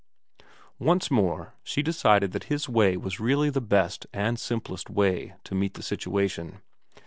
Once more she decided that his way was really the best and simplest way to meet the situation.